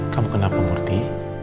kamu kenapa murti